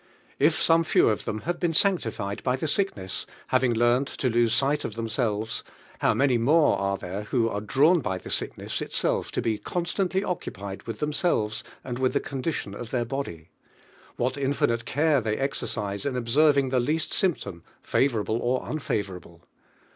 IF some few of them have been sanctified by the sickness, having learned to lose sight of them sriws, how many more are there who arc drawn by the sickness itself to be con stantly occupied with themselves and with the condition of their body. Wha in finite can ' Ihe.v exercise in oliS'Tving I lie least sympfom, favorable or unfavorable!